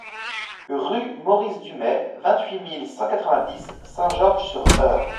Rue Maurice Dumais, vingt-huit mille cent quatre-vingt-dix Saint-Georges-sur-Eure